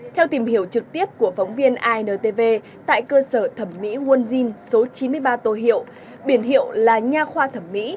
theo tìm hiểu trực tiếp của phóng viên intv tại cơ sở thẩm mỹ nguồn dinh số chín mươi ba tô hiệu biển hiệu là nhà khoa thẩm mỹ